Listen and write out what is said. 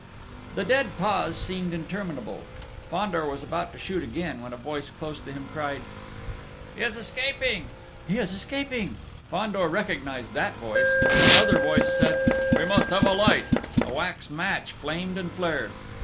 The dead pause seemed interminable.... Fandor was about to shoot again, when a voice close to him cried: "He is escaping!..." Jérôme Fandor recognised that voice!... Another voice said: "We must have a light!" A wax match flamed and flared.